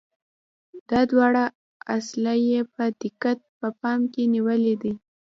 دا دواړه اصله یې په دقت په پام کې نیولي دي.